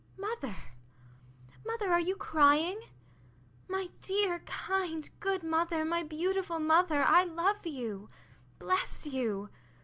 Mother! mother, are you crying? My dear, kind, good mother, my beautiful mother, I love you! Bless you!